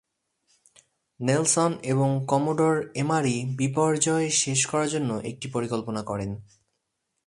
Nelson এবং commodore Emery বিপর্যয় শেষ করার জন্য একটি পরিকল্পনা করেন।